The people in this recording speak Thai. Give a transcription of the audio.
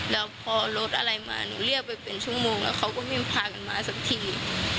แล้วพอรถอะไรมาหนูเรียกไปเป็นชั่วโมงแล้วเขาก็ไม่พากันมาสักที